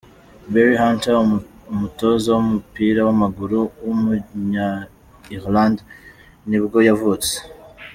Barry Hunter, umutoza w’umupira w’amaguru w’umunya Ireland nibwo yavutse.